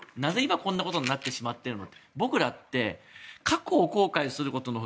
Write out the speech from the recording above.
なぜ今こんなことになってしまっているのと。